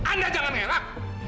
anda jangan ngelak